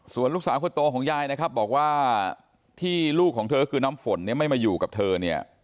ส่วนลูกสาวคนโตของยายนะครับบอกว่าที่ลูกของเธอคือน้ำฝนเนี่ยไม่มาอยู่กับเธอเนี่ย